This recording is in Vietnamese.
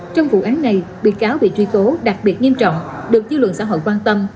trong vụ án này bị cáo bị truy tố đặc biệt nghiêm trọng được dư luận xã hội quan tâm